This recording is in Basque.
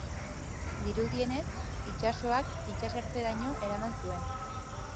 Dirudienez, itsasoak itsasertzeraino eraman zuen.